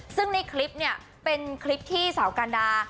ซึ่งในคลิปเนี่ยเป็นคลิปที่สาวกันดา